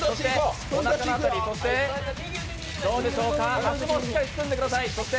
おなかの辺り、足もしっかり包んでください。